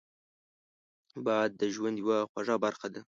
باد د ژوند یوه خوږه برخه ده